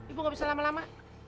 ibu gak bisa lama lama